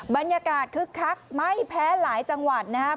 บรรยากาศคึกคักไม่แพ้หลายจังหวัดนะครับ